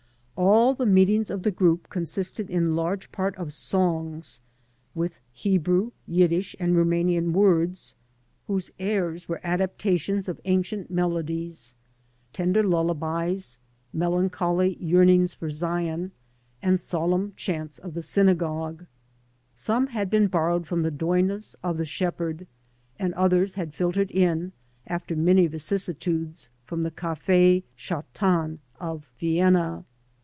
All the meetings of the group consisted in large part of songs, with Hebrew, Yiddish^ and Rumanian words, whose airs were adapta 42 TO AMERICA ON FOOT tions of ancient melodies — ^tender lullabies, melancholy yearnings for Zion, and solemn chants of the synagogue. Some had been borrowed from the dmnaa ol the shep herd, and others had fQtered in, after many vicissitudes, from the cc^is chantants of Vienna.